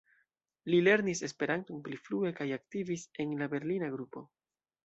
Li lernis Esperanton pli frue kaj aktivis en la berlina grupo.